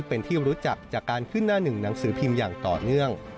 เป็นที่รู้จักจากการขึ้นหน้าหนึ่งหนังสือพิมพ์อย่างต่อเนื่อง